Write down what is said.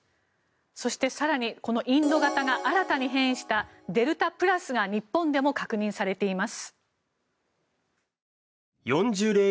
そして更にインド型が新たに変異したデルタプラスが日本でも確認されています。